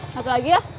satu lagi ya